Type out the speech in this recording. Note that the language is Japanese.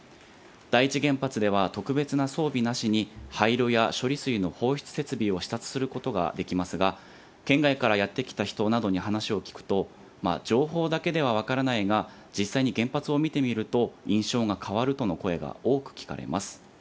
第一原発では、特別な装備なしに廃炉や処理水の放出設備を視察することができますが、県外からやって来た人などに話を聞くと、情報だけでは分からないが、実際に原発を見てみると、印象が変わるとの声が多く聞かれます。